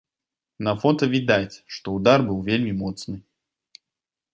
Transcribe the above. На фота відаць, што ўдар быў вельмі моцны.